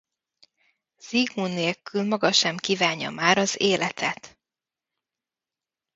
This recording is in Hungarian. Siegmund nélkül maga sem kívánja már az életet.